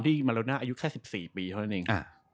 มาโลน่าอายุแค่๑๔ปีเท่านั้นเอง